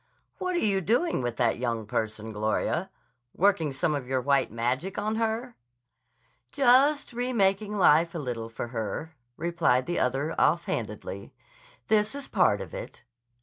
"What are you doing with that young person, Gloria? Working some of your white magic on her?" "Just remaking life a little for her," replied the other offhandedly. "This is part of it."